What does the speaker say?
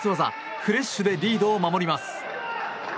フレッシュでリードを守ります。